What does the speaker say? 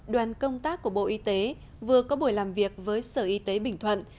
đoàn công tác của bộ y tế vừa có buổi làm việc với sở y tế bình thuận